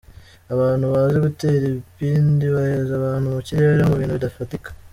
Abantu bazi gutera igipindi baheza abantu mu kirere mu bintu bidafatika.